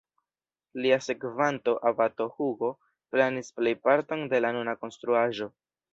Lia sekvanto, abato Hugo, planis plejparton de la nuna konstruaĵo.